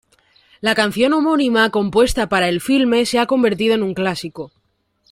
La canción homónima compuesta para el filme se ha convertido en un clásico.